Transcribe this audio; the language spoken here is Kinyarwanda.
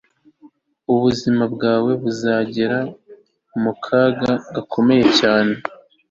ubuzima bwawe buzagera mu kaga gakomeye cyane